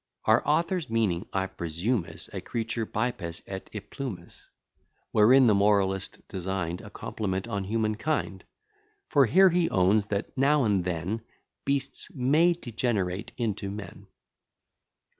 Our author's meaning, I presume, is A creature bipes et implumis; Wherein the moralist design'd A compliment on human kind; For here he owns, that now and then Beasts may degenerate into men.